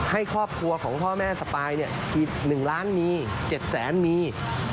ให้ครอบครัวของพ่อแม่สปาย๑ล้านมี๗แสนมี